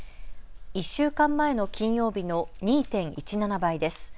１週間前の金曜日の２．１７倍です。